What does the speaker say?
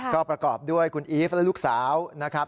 ก็ประกอบด้วยคุณอีฟและลูกสาวนะครับ